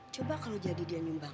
coba kalau jadi dia nyumbang